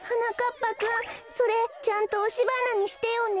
ぱくんそれちゃんとおしばなにしてよね。